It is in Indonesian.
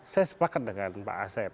saya sepakat dengan pak asep